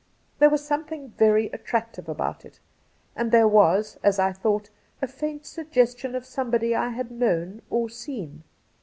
There was something very attractive about it, and there was, as I thought, a faiiit suggestion of somebody I had known or seen.